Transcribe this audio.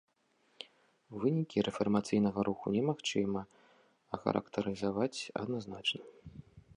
Вынікі рэфармацыйнага руху немагчыма ахарактарызаваць адназначна.